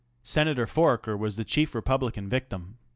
Senator Foraker was the chief Republican victim.